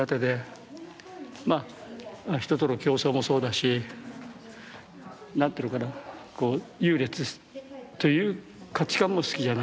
まあ人との競争もそうだし何ていうのかな優劣という価値観も好きじゃないし。